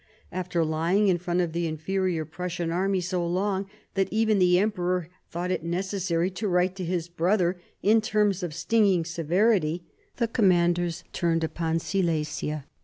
After lying in front of the inferior Prussian army so long that even the emperor thought it necessary to write to his brother in terms of stinging severity, the commanders turned upon Silesia.